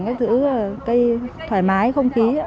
các thứ cây thoải mái không khí